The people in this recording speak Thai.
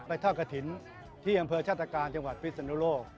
ทอดกระถิ่นที่อำเภอชาติการจังหวัดพิศนุโลก